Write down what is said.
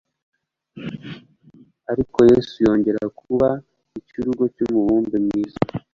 ariko Yesu yongera kuba icyurugo cy'umubumbe w'ubwiza.